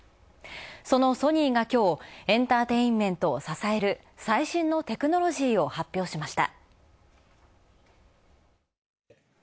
そのソニーがきょうエンターテインメントを支える最新のテクノロジーを発表しました。